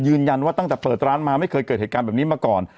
ตั้งแต่เปิดร้านมาไม่เคยเกิดเหตุการณ์แบบนี้มาก่อน